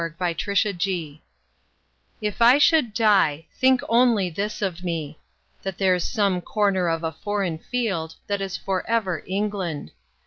The Soldier If I should die, think only this of me: That there's some corner of a foreign field That is for ever England.